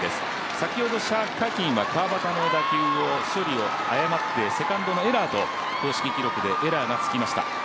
先ほど、謝佳欣は川畑の打球の処理を誤ってセカンドのエラーと公式記録でエラーがつきました。